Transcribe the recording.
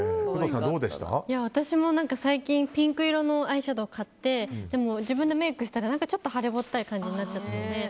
私も最近、ピンク色のアイシャドーを買ってでも自分でメイクしたらちょっと腫れぼったい感じになっちゃって。